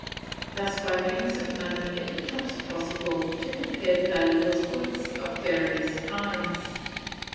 Thus by means of money it becomes possible to compare the values of goods of various kinds.